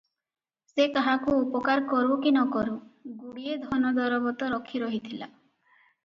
ସେ କାହାକୁ ଉପକାର କରୁ କି ନ କରୁ, ଗୁଡ଼ିଏ ଧନ ଦରବ ତ ରଖି ରହିଥିଲା ।